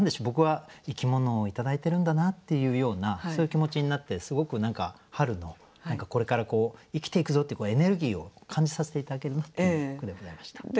僕は生き物を頂いてるんだなっていうようなそういう気持ちになってすごく何か春のこれからこう生きていくぞっていうエネルギーを感じさせて頂けるなっていう句でございました。